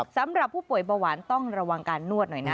สำหรับผู้ป่วยเบาหวานต้องระวังการนวดหน่อยนะ